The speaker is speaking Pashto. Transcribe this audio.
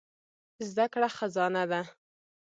زده کړه خزانه ده.